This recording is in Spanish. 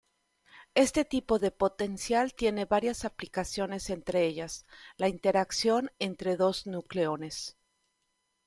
Este tipo de potencial tiene varias aplicaciones entre ellas, la interacción entre dos nucleones.